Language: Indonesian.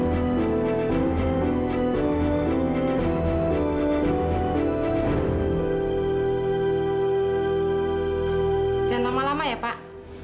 sudah lama lama ya pak